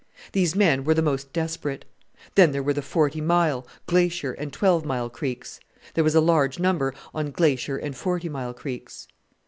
These men were the most desperate. Then there were the Forty Mile, Glacier, and Twelve Mile Creeks. There was a large number on Glacier and Forty Mile Creeks.